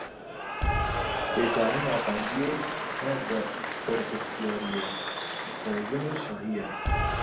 Pêkanîna qenciyê ne berpirsyarî ye, bezim û şahî ye.